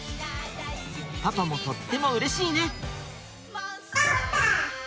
パパもとってもうれしいね！